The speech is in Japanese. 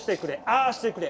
「ああしてくれ」